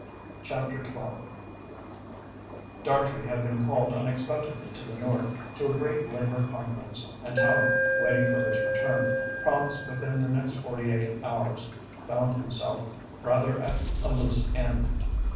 CHAPTER XII Dartrey had been called unexpectedly to the north, to a great Labour conference, and Tallente, waiting for his return, promised within the next forty eight hours, found himself rather at a loose end.